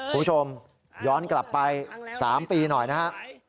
คุณผู้ชมย้อนกลับไป๓ปีหน่อยนะฮะ